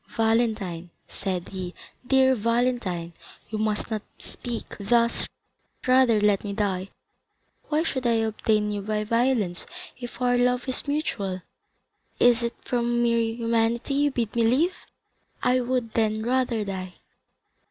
"Valentine," said he, "dear Valentine, you must not speak thus—rather let me die. Why should I obtain you by violence, if our love is mutual? Is it from mere humanity you bid me live? I would then rather die."